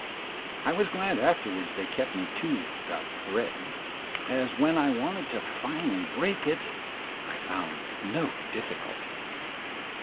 I was glad afterwards they kept me to "the thread," as when I wanted finally to break it I found no difficulty.